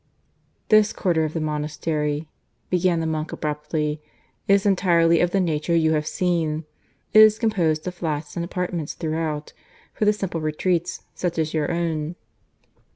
"This quarter of the monastery," began the monk abruptly, "is entirely of the nature you have seen. It is composed of flats and apartments throughout, for the simple retreats, such as your own.